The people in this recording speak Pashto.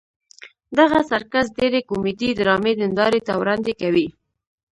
دغه سرکس ډېرې کومیډي ډرامې نندارې ته وړاندې کوي.